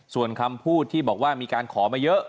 ส่วนคำพูดที่บอกว่ามีการขอมาเยอะ